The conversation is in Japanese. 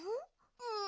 うん。